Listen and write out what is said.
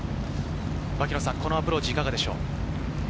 このアプローチ、いかがでしょう？